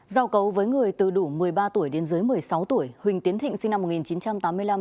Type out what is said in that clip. giao cấu với người từ đủ một mươi ba tuổi đến dưới một mươi sáu tuổi huỳnh tiến thịnh sinh năm một nghìn chín trăm tám mươi năm